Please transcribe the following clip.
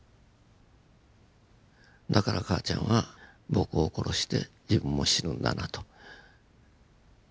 だから母ちゃんは僕を殺して自分も死ぬんだなと。